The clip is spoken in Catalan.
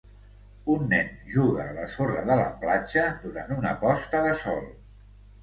Un nen juga a la sorra de la platja durant una posta de sol.